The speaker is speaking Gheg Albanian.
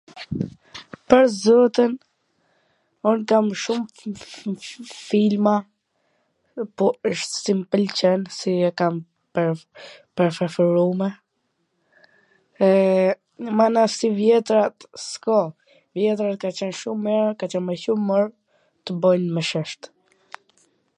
pwr zotin, un kam shum f..f ...filma, jo po wsht si m pwlqen, si e kam t prefe-ferume e mana si vjetrat s ka, t vjetrat kan qwn shum mira, kan qwn me shum humor, tw bwjn mw shesht